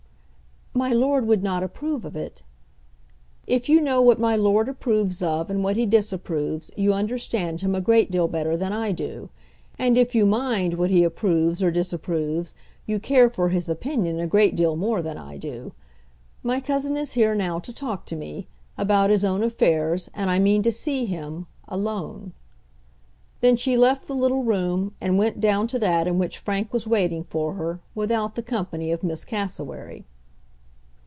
"My lord would not approve of it." "If you know what my lord approves of and what he disapproves you understand him a great deal better than I do. And if you mind what he approves or disapproves, you care for his opinion a great deal more than I do. My cousin is here now to talk to me, about his own affairs, and I mean to see him, alone." Then she left the little room, and went down to that in which Frank was waiting for her, without the company of Miss Cassewary.